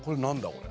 これ。